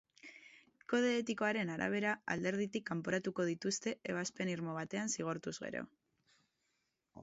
Kode etikoaren arabera, alderditik kanporatuko dituzte ebazpen irmo batean zigortuz gero.